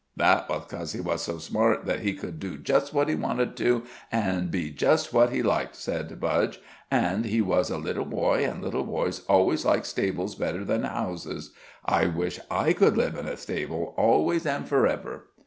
"That was 'cause he was so smart that He could do just what He wanted to, an' be just where he liked," said Budge, "an' He was a little boy, an' little boys always like stables better than houses I wish I could live in a stable always an' for ever."